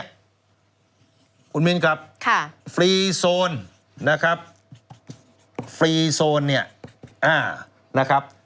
คุณมิ้นครับฟรีโซนนะครับฟรีโซนเนี่ยนะครับ